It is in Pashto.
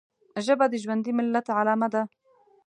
ژبه د ژوندي ملت علامه ده